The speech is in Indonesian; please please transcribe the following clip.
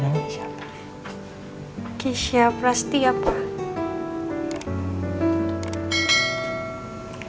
kisya prastia pak